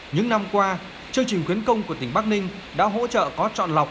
những năm qua chương trình quyến công của tỉnh bắc ninh đã hỗ trợ có trọn lọc